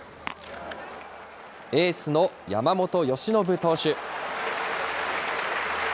エースの山本由伸投手。